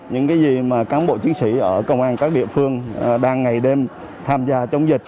những cái gì mà cán bộ chiến sĩ ở công an các địa phương đang ngày đêm tham gia chống dịch